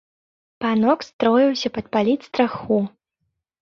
Панок строіўся падпаліць страху.